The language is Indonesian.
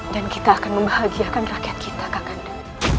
dan kita akan membahagiakan rakyat kita kakanda